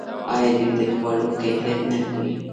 آیا دوی د خوړو کیفیت نه ګوري؟